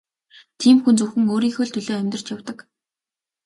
Тийм хүн зөвхөн өөрийнхөө л төлөө амьдарч явдаг.